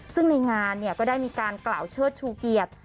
ซึ่งในงานก็ได้มีการกล่าวเชิดชูเกียรติ